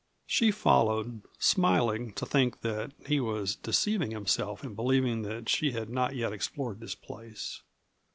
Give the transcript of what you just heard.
She followed, smiling to think that he was deceiving himself in believing that she had not yet explored this place.